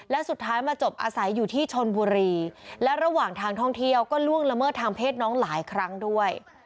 และสุดท้ายมาจบอาศัยอยู่ที่ชนบุรีและระหว่างทางท่องเที่ยวก็ล่วงละเมิดทางเพศน้องหลายครั้งด้วย